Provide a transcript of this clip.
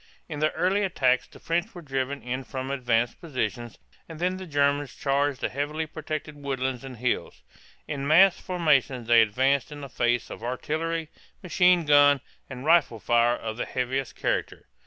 In the early attacks the French were driven in from advanced positions, and then the Germans charged the heavily protected woodlands and hills. In massed formation they advanced in the face of artillery, machine gun, and rifle fire of the heaviest character.